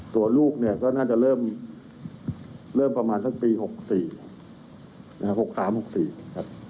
ตัวลูกเนี้ยก็น่าจะเริ่มเริ่มประมาณสักปีหกสี่หกสามหกสี่ครับ